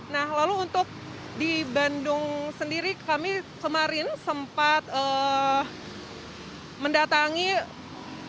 nah lalu untuk di bandung sendiri kami kemarin sempat mendatangi rumah